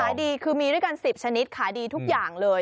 ขายดีคือมีด้วยกัน๑๐ชนิดขายดีทุกอย่างเลย